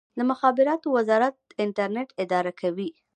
د مخابراتو وزارت انټرنیټ اداره کوي